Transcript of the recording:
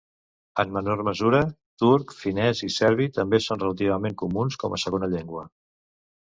En menor mesura, turc, finès i serbi també són relativament comuns com a segona llengua.